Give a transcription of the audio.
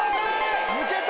抜けた！